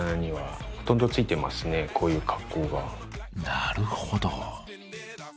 なるほど。